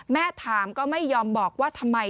แม่ถามก็ไม่ยอมบอกว่าทำไม